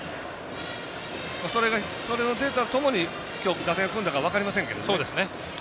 そのデータをもとに、今日、打線組んだかは分かりませんけどね。